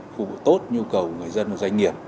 phục vụ tốt nhu cầu người dân và doanh nghiệp